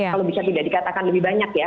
kalau bisa tidak dikatakan lebih banyak ya